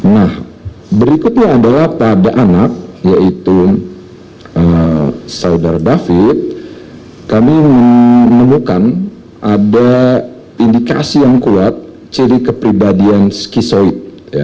nah berikutnya adalah pada anak yaitu saudara david kami menemukan ada indikasi yang kuat ciri kepribadian skisoid